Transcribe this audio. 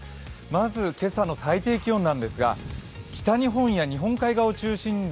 まず、今朝の最低気温なんですが北日本や日本海側を中心に